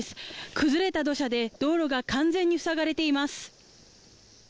崩れた土砂で道路が完全に塞がれています